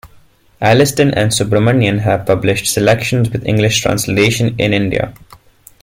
Aliston and Subramanian have published selections with English translation in India.